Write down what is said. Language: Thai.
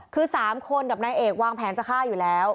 คือ๓คนกับนายเอกวางแผนจะฆ่าอยู่แล้ว